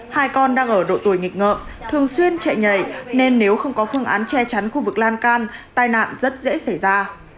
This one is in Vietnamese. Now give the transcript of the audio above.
hai con đang ở độ tuổi nghịch ngợm thường xuyên chạy nhảy nên nếu không có phương án che chắn khu vực lan can tai nạn rất dễ xảy ra